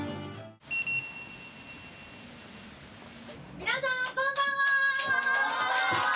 皆さん、こんばんは！